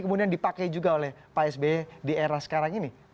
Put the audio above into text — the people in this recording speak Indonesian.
kemudian dipakai juga oleh pak sby di era sekarang ini